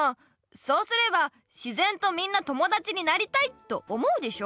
そうすれば自然とみんな友だちになりたいと思うでしょ？